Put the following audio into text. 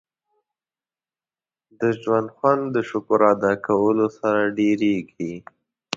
• د ژوند خوند د شکر ادا کولو سره ډېرېږي.